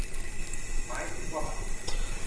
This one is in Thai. หมายถึงว่า มัน